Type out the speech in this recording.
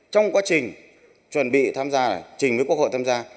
trong quá trình chuẩn bị tham gia trình với quốc hội tham gia